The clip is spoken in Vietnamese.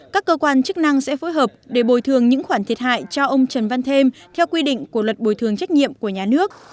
các cơ quan chức năng sẽ phối hợp để bồi thường những khoản thiệt hại cho ông trần văn thêm theo quy định của luật bồi thường trách nhiệm của nhà nước